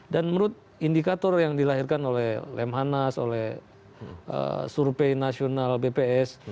dan menurut indikator yang dilahirkan oleh lemhanas oleh surpei nasional bps